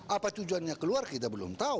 apa tujuannya keluar kita belum tahu